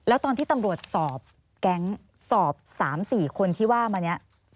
แล้วตอนที่ตำรวจสอบแก๊งสอบ๓๔คนที่ว่ามานี้